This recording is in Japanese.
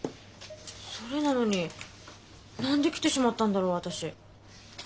それなのに何で来てしまったんだろう私？